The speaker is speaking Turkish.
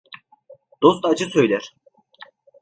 Dost acı söyler.